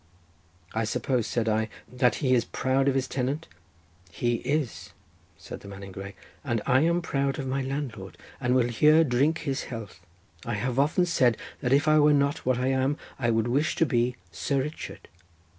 "I suppose," said I, "that he is right proud of his tenant?" "He is," said the man in grey, "and I am proud of my landlord, and will here drink his health. I have often said that if I were not what I am, I should wish to be Sir Richard."